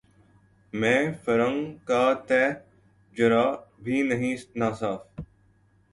مے فرنگ کا تہ جرعہ بھی نہیں ناصاف